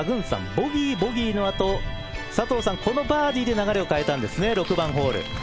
ボギーボギーのあと佐藤さん、このバーディーで流れを変えたんですね